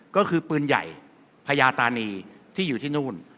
ก็คือปืนใหญ่พญาตานีที่อยู่ที่นู่น